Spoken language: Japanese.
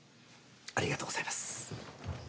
ありがとうございます。